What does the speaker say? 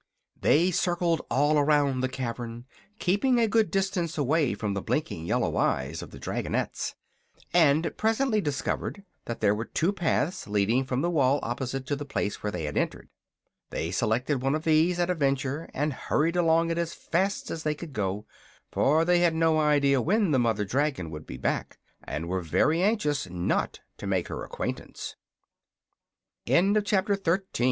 They circled all around the cavern, keeping a good distance away from the blinking yellow eyes of the dragonettes, and presently discovered that there were two paths leading from the wall opposite to the place where they had entered. They selected one of these at a venture and hurried along it as fast as they could go, for they had no idea when the mother dragon would be back and were very anxious not to make her acquaintance. Chapter 14.